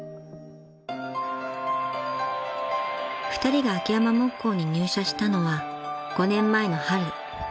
［２人が秋山木工に入社したのは５年前の春］